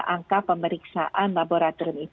angka pemeriksaan laboratorium